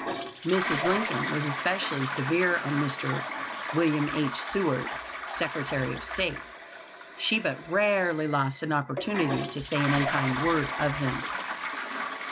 Mrs. Lincoln was especially severe on Mr. Wm. H. Seward, Secretary of State. She but rarely lost an opportunity to say an unkind word of him.